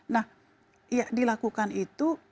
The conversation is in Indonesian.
nah dilakukan itu